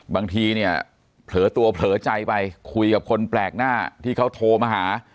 บางทีเนี่ยเผลอตัวเผลอใจไปคุยกับคนแปลกหน้าที่เขาโทรมาหา